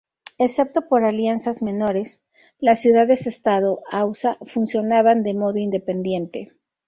Excepto por alianzas menores, las ciudades-Estado hausa funcionaban de modo independiente.